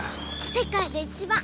世界で一番！